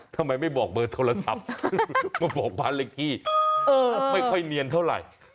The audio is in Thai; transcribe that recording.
ทำไมไม่บอกเบอร์โทรศัพท์มาบอกบ้านเลขที่ไม่ค่อยเนียนเท่าไหร่